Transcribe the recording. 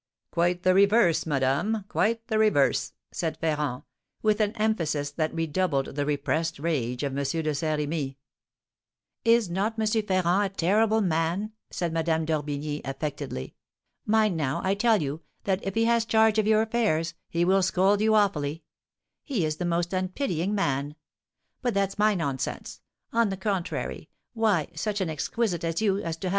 "Quite the reverse, madame, quite the reverse," said Ferrand, with an emphasis that redoubled the repressed rage of M. de Saint Remy. [Illustration: He will scold you awfully. Original Etching by Adrian Marcel.] "Is not M. Ferrand a terrible man?" said Madame d'Orbigny, affectedly. "Mind now, I tell you, that, if he has charge of your affairs, he will scold you awfully. He is the most unpitying man But that's my nonsense; on the contrary, why, such an exquisite as you to have M.